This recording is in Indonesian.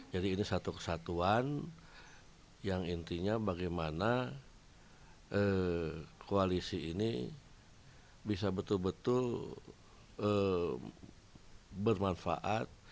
jadi ini satu kesatuan yang intinya bagaimana koalisi ini bisa betul betul bermanfaat